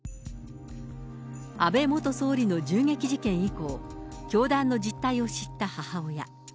安倍元総理の銃撃事件以降、教団の実態を知った母親。